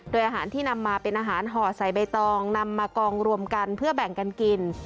โดยอาหารที่นำมาเป็นอาหารห่อใส่ใบตองนำมากองรวมกันเพื่อแบ่งกันกิน